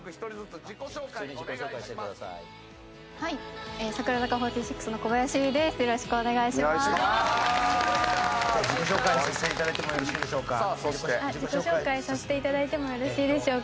自己紹介させていただいてもよろしいでしょうか？